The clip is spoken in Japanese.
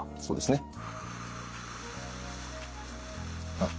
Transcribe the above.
そうですね。